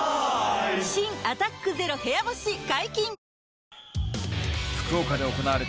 新「アタックＺＥＲＯ部屋干し」解禁‼